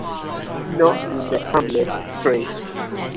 Not in that tumbler, pray.